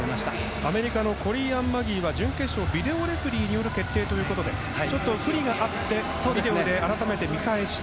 アメリカのコリー・アン・マギーはビデオレフェリーによる決定ということで不備があって改めて見返して。